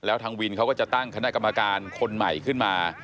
แล้วทางวินเขาก็จะตั้งคณะกรรมการคนใหม่ขึ้นมา